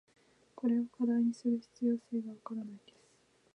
これを課題にする必要性が分からないです。